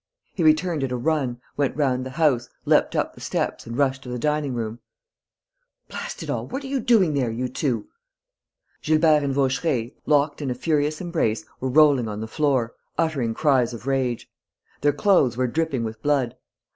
He returned at a run, went round the house, leapt up the steps and rushed to the dining room: "Blast it all, what are you doing there, you two?" Gilbert and Vaucheray, locked in a furious embrace, were rolling on the floor, uttering cries of rage. Their clothes were dripping with blood.